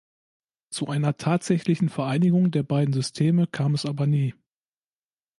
Zu einer tatsächlichen Vereinigung der beiden Systeme kam es aber nie.